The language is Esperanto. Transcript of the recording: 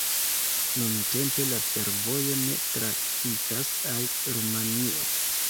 Nuntempe la fervojo ne trafikas al Rumanio.